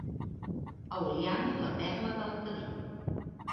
A Oliana, la Perla del Cadí.